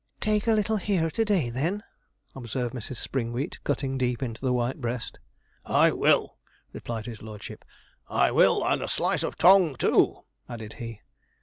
'Take a little here to day, then,' observed Mr. Springwheat, cutting deep into the white breast. 'I will,' replied his lordship, 'I will: and a slice of tongue, too,' added he.